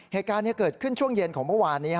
เหตุการณ์นี้เกิดขึ้นช่วงเย็นของเมื่อวานนี้